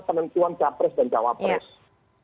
kementuan capres dan cawapres